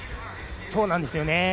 そうなんですよね。